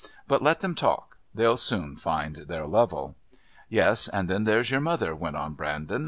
"But let them talk. They'll soon find their level." "Yes, and then there's your mother," went on Brandon.